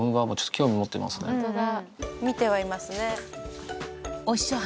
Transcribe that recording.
見てはいますね。